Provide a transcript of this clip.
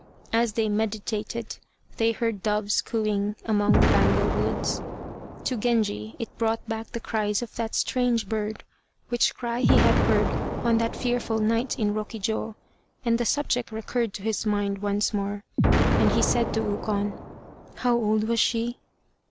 As they meditated, they heard doves cooing among the bamboo woods. To Genji it brought back the cries of that strange bird, which cry he had heard on that fearful night in Rokjiô, and the subject recurred to his mind once more, and he said to Ukon, "How old was she?"